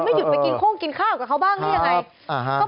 ไม่หยุดไปกินข้องกินข้าวกับเขาบ้างนี่ยังไง